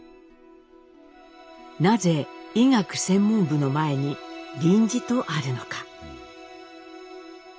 なぜ医学専門部の前に「臨時」とあるのか。